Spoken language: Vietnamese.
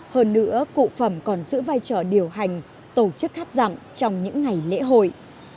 hơn nữa cụ phẩm còn giữ vai trò điều hành tổ chức hát rằm trong các trường hợp